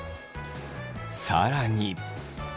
更に。